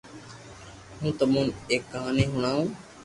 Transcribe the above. ھون تمو ني ايڪ ڪہاني ھڻاو